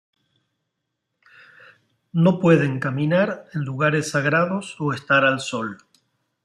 No pueden caminar en lugares sagrados o estar al sol.